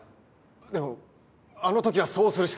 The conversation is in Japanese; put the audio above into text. でもあの時はそうするしか。